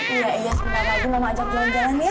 iya iya sebentar lagi mau ajak jalan jalan ya